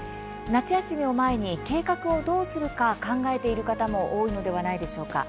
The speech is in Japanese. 夏休みを前に計画をどうするか考えている方も多いのではないのでしょうか。